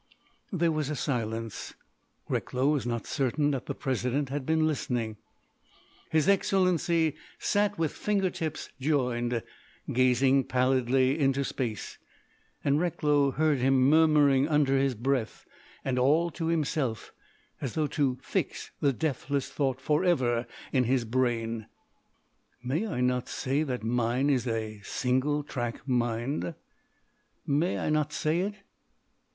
There was a silence. Recklow was not certain that the President had been listening. His Excellency sat with finger tips joined, gazing pallidly into space; and Recklow heard him murmuring under his breath and all to himself, as though to fix the deathless thought forever in his brain: "May I not say that mine is a single track mind? May I not say it?